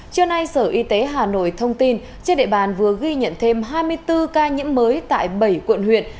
trưa nay sở y tế hà nội thông tin trên địa bàn vừa ghi nhận thêm hai mươi bốn ca nhiễm mới tại bảy quận huyện